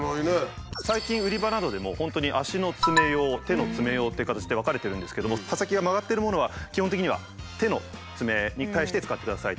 最近売り場などでも本当に足のツメ用手のツメ用っていう形で分かれてるんですけども刃先が曲がってるものは基本的には手のツメに対して使ってくださいと。